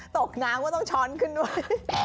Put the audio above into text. ตกน้ำก็ต้องช้อนขึ้นด้วย